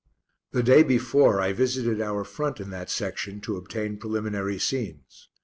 The day before I visited our front in that section to obtain preliminary scenes.